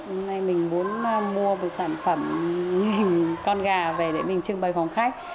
hôm nay mình muốn mua một sản phẩm hình con gà về để mình trưng bày phòng khách